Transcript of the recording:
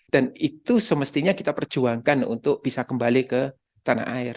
itu semestinya kita perjuangkan untuk bisa kembali ke tanah air